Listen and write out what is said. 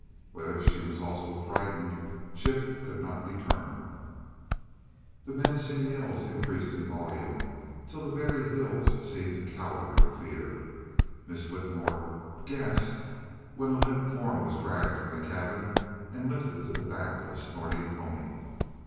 Whether she was also frightened, Chip could not determine. The menacing yells increased in volume till the very hills seemed to cower in fear. Miss Whitmore gasped when a limp form was dragged from the cabin and lifted to the back of a snorting pony.